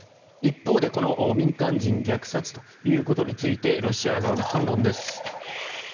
一方でこの民間人虐殺ということについてロシア側の反論です。